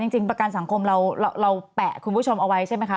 จริงประกันสังคมเราแปะคุณผู้ชมเอาไว้ใช่ไหมคะ